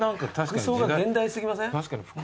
服装が現代過ぎません？